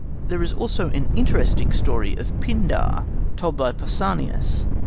" There is also an interesting story of Pindar, told by Pausanias.